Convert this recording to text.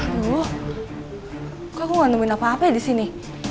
kok aku gak nemuin apa apa disini